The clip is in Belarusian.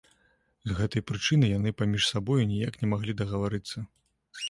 З гэтай прычыны яны паміж сабою ніяк не маглі дагаварыцца.